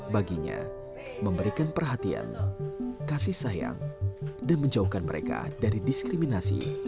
baginya memberikan perhatian kasih sayang dan menjauhkan mereka dari diskriminasi